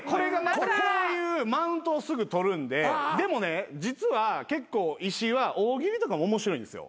こういうマウントをすぐ取るんででもね実は結構石井は大喜利とかも面白いんですよ。